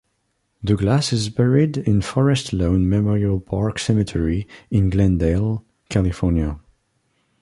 Douglas is buried in Forest Lawn Memorial Park Cemetery in Glendale, California.